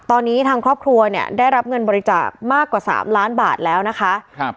ตอนนี้ทางครอบครัวเนี่ยได้รับเงินบริจาคมากกว่าสามล้านบาทแล้วนะคะครับ